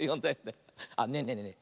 あっねえねえねえね